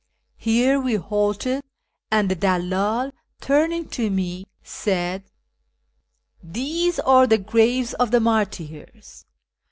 Here we halted, and the dalldl, turning to me, said, " These are the graves of the martyrs.